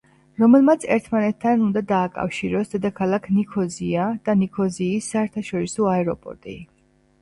რომელმაც ერთმანეთთან უნდა დააკავშიროს დედაქალაქ ნიქოზია და ნიქოზიის საერთაშორისო აეროპორტი.